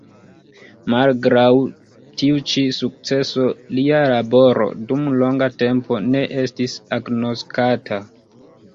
Malgraŭ tiu ĉi sukceso lia laboro dum longa tempo ne estis agnoskata.